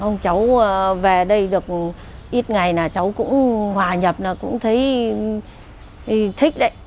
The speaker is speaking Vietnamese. ông cháu về đây được ít ngày là cháu cũng hòa nhập là cũng thấy thích đấy